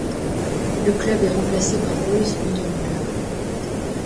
Le club est remplacé par Boys Union Club.